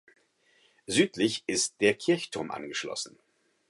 Südlich ist der Kirchturm angeschlossen.